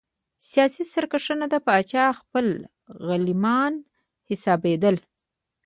سیاسي سرکښان د پاچا خپل غلیمان حسابېدل.